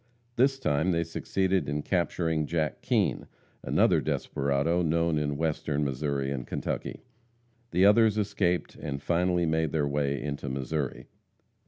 This time they succeeded in capturing Jack Kean, another desperado, known in Western Missouri and Kentucky. The others escaped, and finally made their way into Missouri.